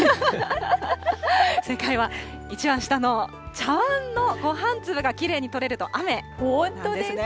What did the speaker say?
正解は一番下の、茶わんのごはん粒がきれいに取れると雨なんですね。